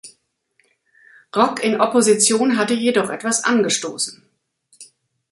Rock in Opposition hatte jedoch etwas angestoßen.